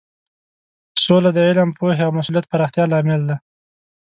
سوله د علم، پوهې او مسولیت پراختیا لامل دی.